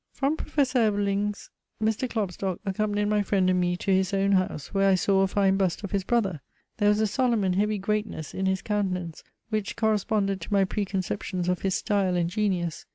From Professor Ebeling's Mr. Klopstock accompanied my friend and me to his own house, where I saw a fine bust of his brother. There was a solemn and heavy greatness in his countenance, which corresponded to my preconceptions of his style and genius.